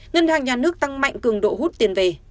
ngân hàng nhà nước tăng mạnh cường độ hút tiền về